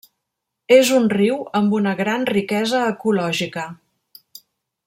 És un riu amb una gran riquesa ecològica.